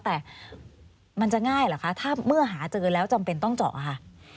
แต่มันจะง่ายเหรอคะถ้าเมื่อหาเจอแล้วจำเป็นต้องเจาะค่ะ